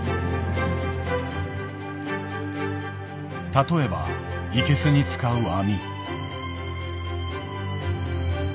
例えばイケスに使う網。